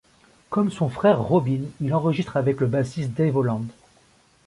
Comme son frère Robin, il enregistre avec le bassiste Dave Holland.